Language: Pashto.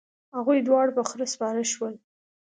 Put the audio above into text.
هغوی دواړه په خره سپاره شول.